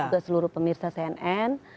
ketika ada duit dari cnn